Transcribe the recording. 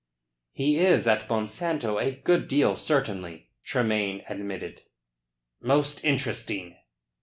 "He is at Monsanto a good deal certainly," Tremayne admitted. "Most interesting."